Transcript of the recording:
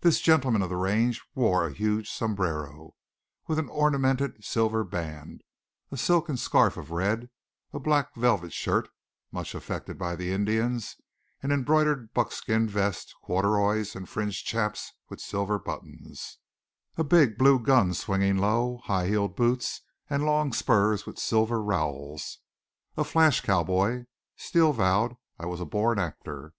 This gentleman of the range wore a huge sombrero with an ornamented silver band, a silken scarf of red, a black velvet shirt, much affected by the Indians, an embroidered buckskin vest, corduroys, and fringed chaps with silver buttons, a big blue gun swinging low, high heeled boots, and long spurs with silver rowels. A flash cowboy! Steele vowed I was a born actor.